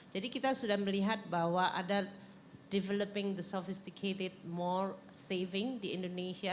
jadi kita sudah melihat bahwa ada developing the sophisticated more saving di indonesia